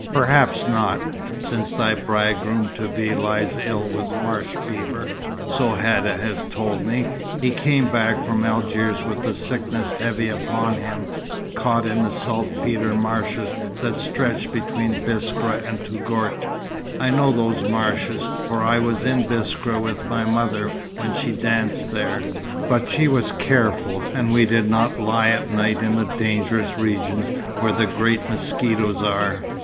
"Perhaps not, since thy bridegroom to be lies ill with marsh fever, so Hadda has told me. He came back from Algiers with the sickness heavy upon him, caught in the saltpetre marshes that stretch between Biskra and Touggourt. I know those marshes, for I was in Biskra with my mother when she danced there; but she was careful, and we did not lie at night in the dangerous regions where the great mosquitoes are.